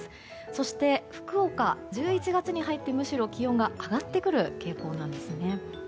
そして、福岡は１１月に入ってむしろ気温が上がってくる傾向なんです。